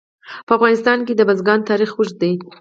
په افغانستان کې د بزګان تاریخ اوږد دی.